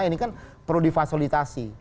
ini kan perlu difasilitasi